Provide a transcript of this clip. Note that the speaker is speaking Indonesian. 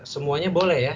semuanya boleh ya